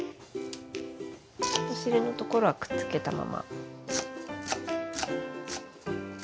お尻のところはくっつけたまま。